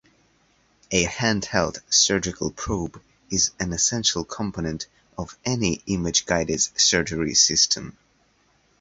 A hand-held surgical probe is an essential component of any image-guided surgery system.